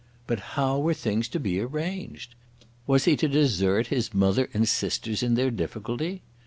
But how were things to be arranged? Was he to desert his mother and sisters in their difficulty?